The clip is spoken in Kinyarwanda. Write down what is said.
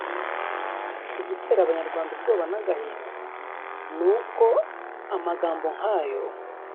Igitera abanyarwanda ubwoba n’agahinda nuko amagambo nkayo